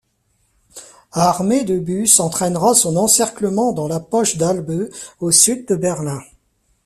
Armee de Busse entrainera son encerclement dans la poche d'Halbe, au sud de Berlin.